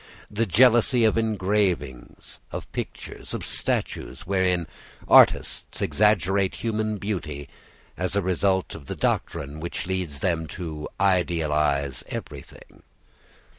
the jealousy of engravings, of pictures, of statues, wherein artists exaggerate human beauty, as a result of the doctrine which leads them to idealize everything.